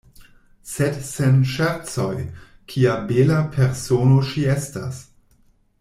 Sed sen ŝercoj, kia bela persono ŝi estas!